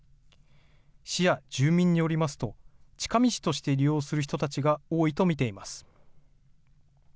市や住民によりますと、近道として利用する人たちが多いと見ています。